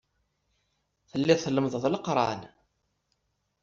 Telliḍ tlemmdeḍ Leqran.